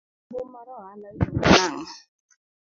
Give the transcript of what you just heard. Grubu mar oala iluongo nang'o?